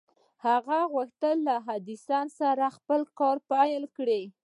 هغه غوښتل له ايډېسن سره خپل کار پيل کړي.